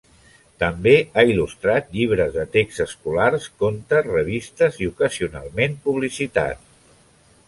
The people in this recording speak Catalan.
També ha il·lustrat llibres de text escolars, contes, revistes i ocasionalment, publicitat.